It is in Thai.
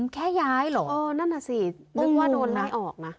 แค่ย้ายหรองงไว้ออกนะ